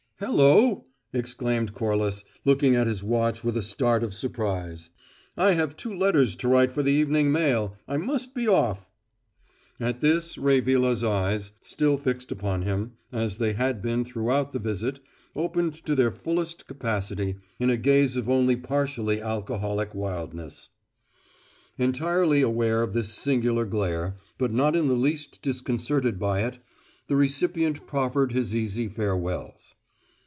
"Hello!" exclaimed Corliss, looking at his watch with a start of surprise. "I have two letters to write for the evening mail. I must be off." At this, Ray Vilas's eyes still fixed upon him, as they had been throughout the visit opened to their fullest capacity, in a gaze of only partially alcoholic wildness. Entirely aware of this singular glare, but not in the least disconcerted by it, the recipient proffered his easy farewells.